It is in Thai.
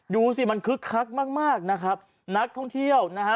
ดูสิมันคึกคักมากมากนะครับนักท่องเที่ยวนะฮะ